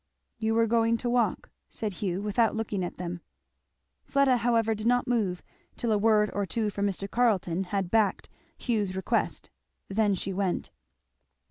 "You were going to walk," said Hugh without looking at them. Fleda however did not move till a word or two from Mr. Carleton had backed Hugh's request; then she went.